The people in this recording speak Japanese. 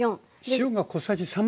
塩が小さじ1/3。